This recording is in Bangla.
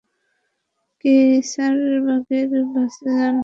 কেয়সারবাগের বাসে যান।